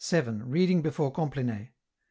Reading before Compline.